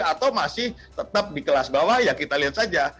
atau masih tetap di kelas bawah ya kita lihat saja